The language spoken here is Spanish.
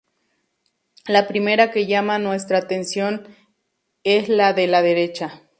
La primera que llama nuestra atención es la de la derecha.